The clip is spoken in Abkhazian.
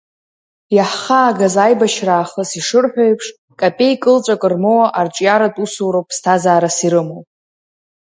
Иаҳхаагаз аибашьра аахыс ишырҳәо еиԥш, капеи кылҵәак рмоуа арҿиаратә усуроуп ԥсҭазаарас ирымоу.